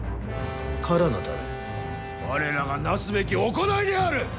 唐のため我らがなすべき行いである！